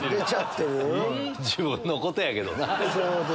自分のことやけどな。